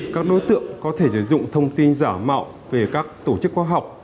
các đối tượng có thể sử dụng thông tin giả mạo về các tổ chức khoa học